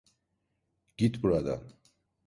Git buradan!